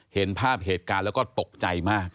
เห็นภาพเหตุการณ์แล้วก็ตกใจมาก